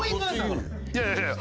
いやいやいや。